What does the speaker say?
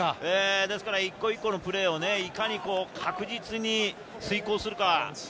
一個一個のプレーをいかに確実に遂行するか。